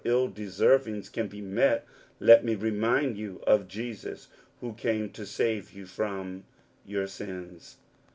ill deservings can be met, let me remind you ^ Jesus who came to save you from your sins.